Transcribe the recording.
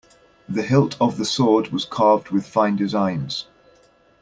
The hilt of the sword was carved with fine designs.